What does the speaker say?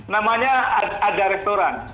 namanya ada restoran